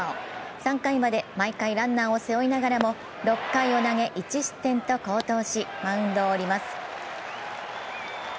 ３回まで毎回ランナーを背負いながらも６回を投げ１失点と好投し、マウンドを降ります。